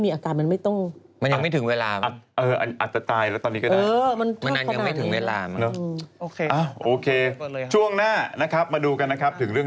มันนั้นอย่างไม่ถึงเวลามั้ง